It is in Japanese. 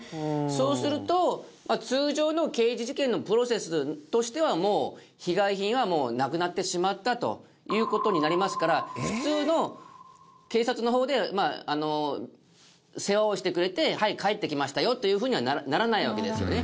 そうすると通常の刑事事件のプロセスとしてはもう被害品はなくなってしまったという事になりますから普通の警察の方で世話をしてくれてはい返ってきましたよというふうにはならないわけですよね。